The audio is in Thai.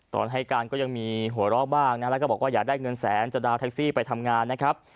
ตอนให้การก็ยังมีหัวเราะบ้างนะแล้วก็บอกว่าอยากได้เงินแสนจะดาวนแท็กซี่ไปทำงานนะครับ